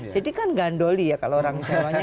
jadi kan gandoli ya kalau orang jawa